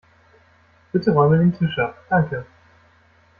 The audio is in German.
Bitte räume den Tisch ab, danke.